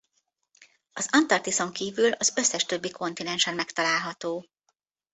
Az Antarktiszon kívül az összes többi kontinensen megtalálható.